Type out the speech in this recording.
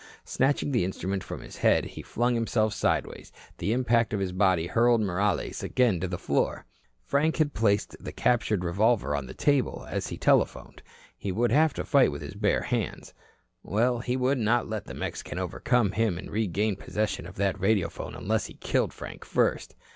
Snatching the instrument from his head, he flung himself sideways. The impact of his body hurled Morales again to the floor. Frank had placed the captured revolver on the table, as he telephoned. He would have to fight with his bare hands. Well, he would not let the Mexican overcome him and regain possession of that radiophone unless he killed Frank first.